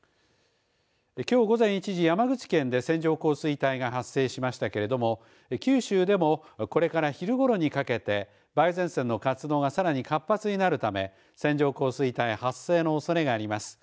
きょう午前１時山口県で線状降水帯が発生しましたけれども九州でもこれから昼ごろにかけて梅雨前線の活動がさらに活発になるため線状降水帯発生のおそれがあります。